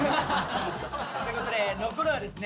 ということで残るはですね